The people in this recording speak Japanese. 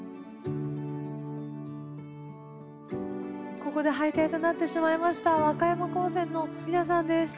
ここで敗退となってしまいました和歌山高専の皆さんです。